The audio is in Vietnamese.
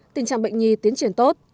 tình trạng bệnh nhi tiến triển tốt